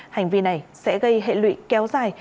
hành vi này sẽ gây hệ lụy kéo dài